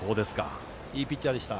いいピッチャーでした。